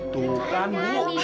tuh kan bu